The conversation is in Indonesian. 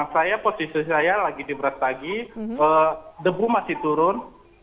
saya posisi saya lagi di brastagi debu masih turun